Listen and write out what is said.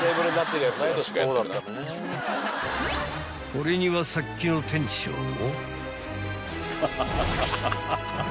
［これにはさっきの店長も］